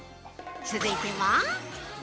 続いては！